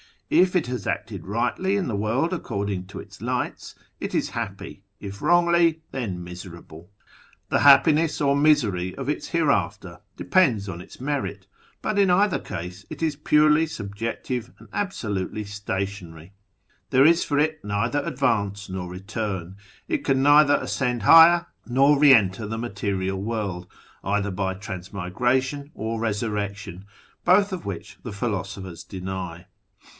If it has acted rightly in the world according to its lights, it is happy ; if wrongly, then miserable. The happi ness or misery of its hereafter depends on its merit, bnt in either case it is purely subjective and absolutely stationary. There is for it neither advance nor return : it can neither ascend higher, nor re enter the material world either by Transmigration or Resurrection, both of which the philosophers deny.